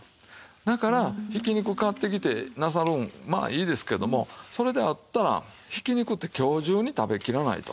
だからひき肉買ってきてなさるんまあいいですけれどもそれであったらひき肉って今日中に食べきらないと。